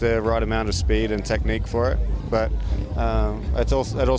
hanya dengan jumlah kecepatan dan teknik yang tepat untuk itu